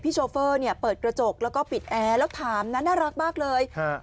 โชเฟอร์เนี่ยเปิดกระจกแล้วก็ปิดแอร์แล้วถามนะน่ารักมากเลย